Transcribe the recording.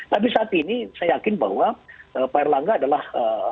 tapi saat ini saya yakin bahwa pak erlangga adalah